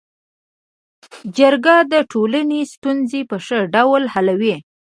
جرګه د ټولني ستونزي په ښه ډول حلوي.